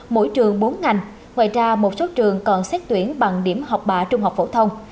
mỗi trường bốn ngành ngoài ra một số trường còn xét tuyển bằng điểm học bạ trung học phổ thông